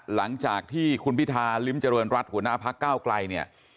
หลังจากที่คุณพิธาริมเจริญรัฐหัวหน้าพักเก้าไกลเนี่ย